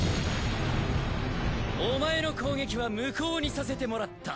お前の攻撃は無効にさせてもらった。